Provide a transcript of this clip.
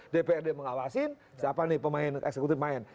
dprd mengawasin siapa nih pemain eksekutif main